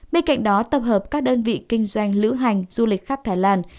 bên cạnh đó tập hợp các đơn vị kinh doanh lữ hành du lịch khắp thái lan